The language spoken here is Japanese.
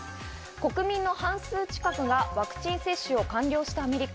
国民の半数近くがワクチン接種を完了したアメリカ。